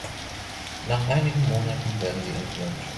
Nach einigen Monaten werden sie entwöhnt.